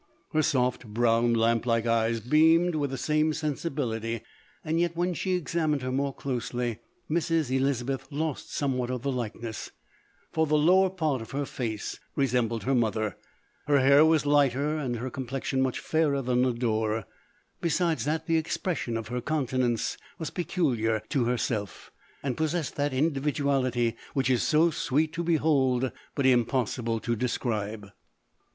Her soft, brown, lamp like eyes, beamed with 272 LODORE. the same sensibility. Yet when she examined her more closely, Mrs Elizabeth lost somewhat of the likeness ; for the lower part of her face resembled her mother : her hair was lighter and her complexion much fairer than Lodore; be sides that the expression of her countenance was peculiar to herself, and possessed that indi viduality which is so sweet to behold, but im possible to describe.